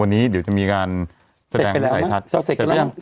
วันนี้เดี๋ยวจะมีการแสดงใสทัด